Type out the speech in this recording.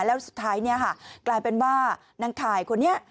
แล้วสุดท้ายเนี่ยค่ะกลายเป็นว่านางข่ายคนนี้